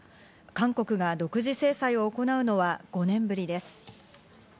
韓国が独自制裁を行うのは５年ぶりです。